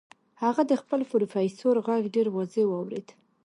هغه د خپل پروفيسور غږ ډېر واضح واورېد.